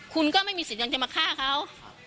คุณก็ไม่มีสิทธิ์ยังจะมาฆ่าเขา